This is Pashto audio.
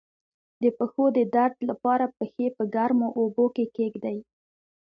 د پښو د درد لپاره پښې په ګرمو اوبو کې کیږدئ